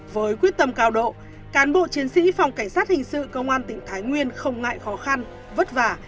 với quyết tâm cao độ cán bộ chiến sĩ phòng cảnh sát hình sự công an tỉnh thái nguyên không ngại khó khăn vất vả